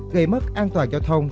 gây mất an toàn giao thông